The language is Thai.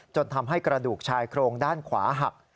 ทำให้กระดูกชายโครงด้านขวาหัก